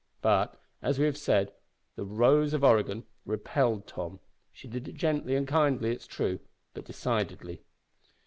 But, as we have said, this Rose of Oregon repelled Tom. She did it gently and kindly, it is true, but decidedly.